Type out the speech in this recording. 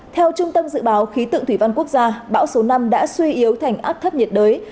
theo trung tâm dự báo khí tượng thủy văn quốc gia bão số năm đã suy yếu thành áp thấp nhiệt đới